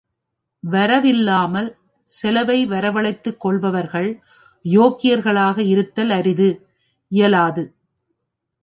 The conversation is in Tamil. வரவு இல்லாமல் செலவை வரவழைத்துக் கொள்பவர்கள் யோக்கியர்களாக இருத்தல் அரிது, இயலாது.